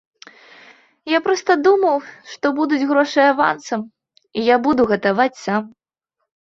Я проста думаў, што будуць грошы авансам, і я буду гатаваць сам.